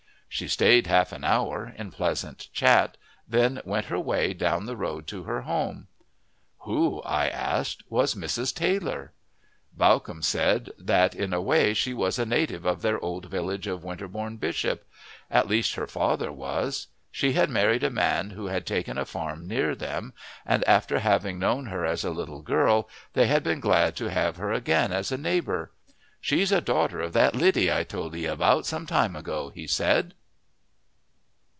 She stayed half an hour in pleasant chat, then went her way down the road to her home. Who, I asked, was Mrs. Taylor? Bawcombe said that in a way she was a native of their old village of Winterbourne Bishop: at least her father was. She had married a man who had taken a farm near them, and after having known her as a young girl they had been glad to have her again as a neighbour. "She's a daughter of that Liddy I told 'ee about some time ago," he said.